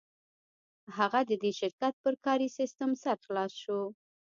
هغه د دې شرکت پر کاري سیسټم سر خلاص شو